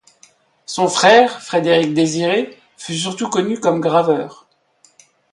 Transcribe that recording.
Son frère, Frédéric-Désiré, fut surtout connu comme graveur.